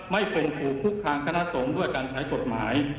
ไม่เป็นถูกคุกคามคณะสงฆ์ด้วยการใช้กฎหมาย